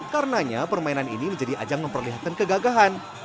karenanya permainan ini menjadi ajang memperlihatkan kegagahan